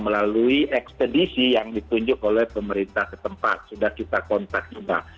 lalu ekspedisi yang ditunjuk oleh pemerintah ke tempat sudah kita kontak juga